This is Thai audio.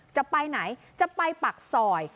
จะไปไหนจะไปปากซอย